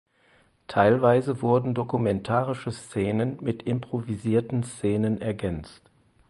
Teilweise wurden dokumentarische Szenen mit improvisierten Szenen ergänzt.